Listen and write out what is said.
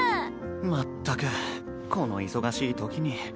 まったくこの忙しいときに。